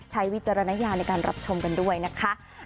วิจารณญาณในการรับชมกันด้วยนะคะ